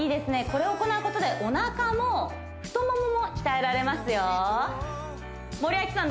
これを行うことでおなかも太モモも鍛えられますよ森脇さん